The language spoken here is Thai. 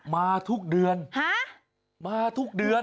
มาทุกเดือนมาทุกเดือน